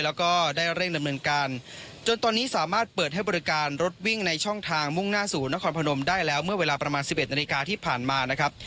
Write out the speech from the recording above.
แล้วก็ได้เร่งดำเนินการจนตอนนี้สามารถเปิดให้บริการรถวิ่งในช่องทางมุ่งหน้าสู่นครพนมได้แล้วเมื่อเวลาประมาณ๑๑นาฬิกาที่ผ่านมานะครับ